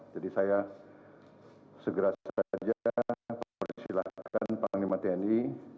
jadi saya segera saja mempersilahkan panglima tni